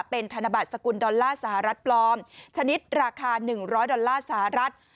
เป็นธนบัตรสกุลดอลลาร์สหรัฐปลอมชนิดราคา๑๐๐ดอลลาร์สหรัฐ